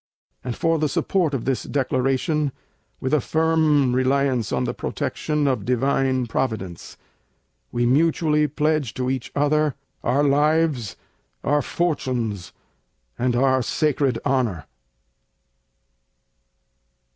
And for the support of this Declaration, with a firm reliance on the Protection of Divine Providence, we mutually pledge to each other our Lives, our Fortunes and our sacred Honor.